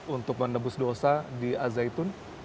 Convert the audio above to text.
untuk menembus dosa di azzaitun